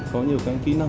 có nhiều cái kỹ năng